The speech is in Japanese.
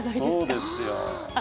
そうですよ。